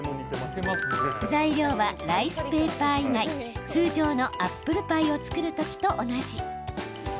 材料は、ライスペーパー以外通常のアップルパイを作る時と同じ。